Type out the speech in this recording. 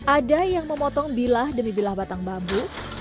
ada yang memotong bilah demi bilah batang bambu